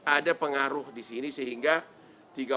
ada pengaruh di sini sehingga